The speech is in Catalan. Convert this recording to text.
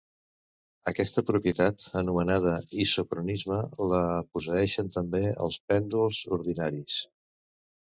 Aquesta propietat, anomenada isocronisme, la posseeixen també els pèndols ordinaris.